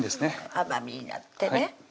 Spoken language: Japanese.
甘みになってね